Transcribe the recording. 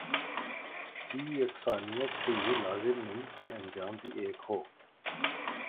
کی یکسانیت سے یہ لازم نہیں کہ انجام بھی ایک ہو